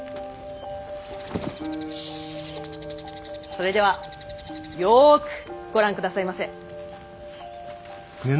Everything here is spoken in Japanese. それではよくご覧下さいませ。